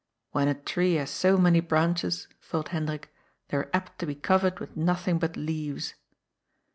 " When a tree has so many branches," thought Hendi^ik, ^' they are apt to be covered with nothing but leaves.'